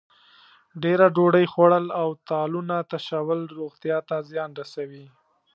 ډېره ډوډۍ خوړل او تالونه تشول روغتیا ته زیان رسوي.